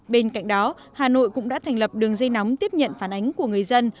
bên cạnh đó hà nội cũng đã thành lập đường dây nóng tiếp nhận phản ánh của người dân